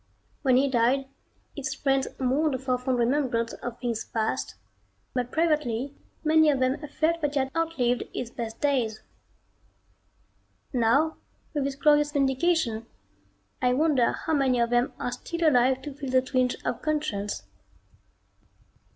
When he died his friends mourned for fond remembrance of things past, but privately many of them felt that he had outlived his best days. Now with this glorious vindication, I wonder how many of them are still alive to feel the twinge of conscience....